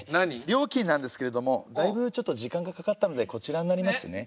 料金なんですけれどもだいぶ時間がかかったのでこちらになりますね。